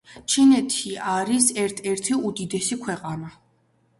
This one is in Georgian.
ჩინეთი არის ერთ ერთი უდიდესი ქვეყანა